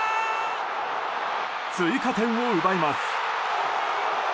追加点を奪います。